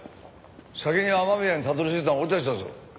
先に雨宮にたどり着いたのは俺たちだぞ。